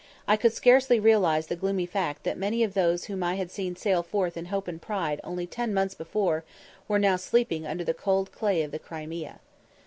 I could scarcely realise the gloomy fact that many of those whom I had seen sail forth in hope and pride only ten months before were now sleeping under the cold clay of the Crimea.